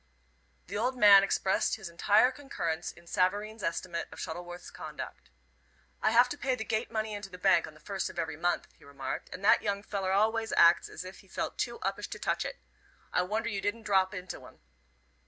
The old man expressed his entire concurrence in Savareen's estimate of Shuttleworth's conduct. "I have to pay the gate money into the bank on the first of every month," he remarked, "and that young feller always acts as if he felt too uppish to touch it. I wonder you didn't drop into 'un."